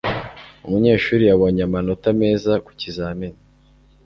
Umunyeshuri yabonye amanota meza ku kizamini.